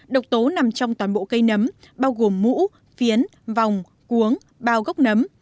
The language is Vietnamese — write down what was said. độc tố nằm trong toàn bộ cây nấm bao gồm mũ phiến vòng cuống bao gốc nấm